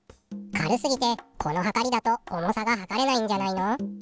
軽すぎてこのはかりだと重さが量れないんじゃないの？